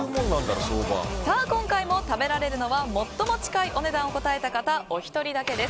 今回も、食べられるのは最も近いお値段を答えた方お一人だけです。